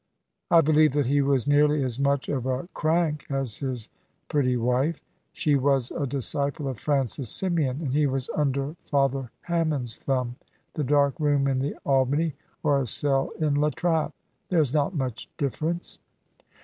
"I believe that he was nearly as much of a crank as his pretty wife. She was a disciple of Francis Symeon, and he was under Father Hammond's thumb. The dark room in the Albany, or a cell in La Trappe! There's not much difference."